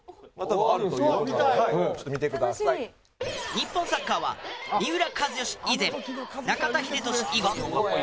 日本サッカーは三浦知良以前中田英寿以後。